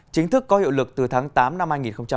chính thức có hiệu lực từ tháng tám năm hai nghìn hai mươi